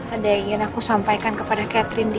ada yang ingin aku sampaikan kepada catherine di